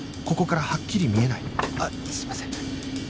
ここからはっきり見えないあっすみません。